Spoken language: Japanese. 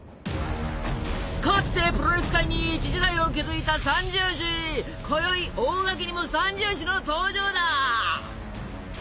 かつてプロレス界に一時代を築いたこよい大垣にも三銃士の登場だ！